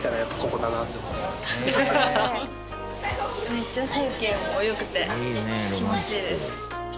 めっちゃ風景も良くて気持ちいいです。